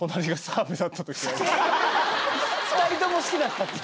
２人とも好きだった。